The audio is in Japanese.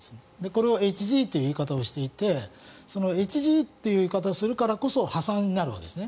これをＨＧという言い方をしていてそのＨＧという言い方をするからこそ破算になるわけです